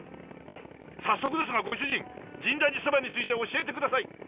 早速ですがご主人深大寺そばについて教えてください！